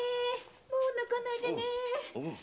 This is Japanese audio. もう泣かないでね！